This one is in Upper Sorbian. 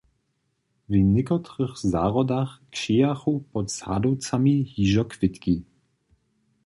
W někotrych zahrodach kćějachu pod sadowcami hižo kwětki.